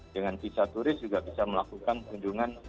dengan visa turis juga bisa melakukan kunjung ke saudi